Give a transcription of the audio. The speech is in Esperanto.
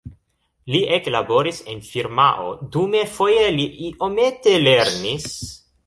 Li eklaboris en firmao, dume foje li iomete lernis.